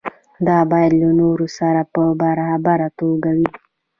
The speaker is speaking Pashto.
دا باید له نورو سره په برابره توګه وي.